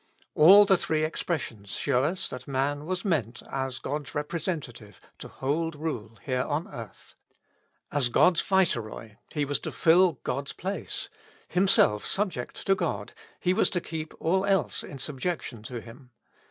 All the three ex pressions show us that man was meant, as God's representative, to hold rule here on earth. As God's viceroy he was to fill God's place: himself subject to God, he was to keep all else in subjection to Him.